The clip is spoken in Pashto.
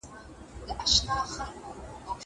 زه ځواب ليکلی دی.